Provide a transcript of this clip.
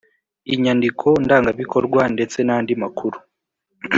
Inyandiko ndangabikorwa ndetse n andi makuru